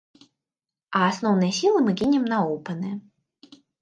А асноўныя сілы мы кінем на оўпэны.